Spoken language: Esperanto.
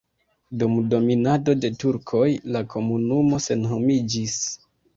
Dum dominado de turkoj la komunumo senhomiĝis.